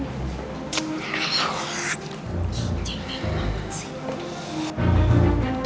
gijeng banget sih